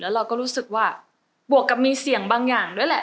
แล้วเราก็รู้สึกว่าบวกกับมีเสียงบางอย่างด้วยแหละ